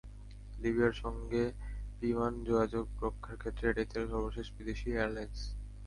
লিবিয়ার সঙ্গে বিমান যোগাযোগ রক্ষার ক্ষেত্রে এটাই ছিল সর্বশেষ বিদেশি এয়ারলাইনস।